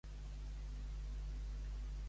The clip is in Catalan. Cantar el serení.